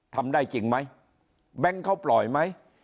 ทำได้จริงมั้ยแบงค์เขาปล่อยมั้ย